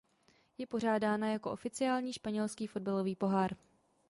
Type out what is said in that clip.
Je pořádána jako oficiální Španělský fotbalový pohár.